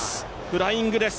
フライングです。